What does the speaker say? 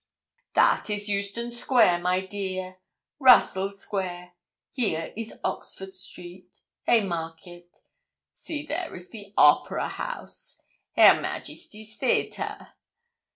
'That is Euston Square, my dear Russell Square. Here is Oxford Street Haymarket. See, there is the Opera House Hair Majesty's Theatre.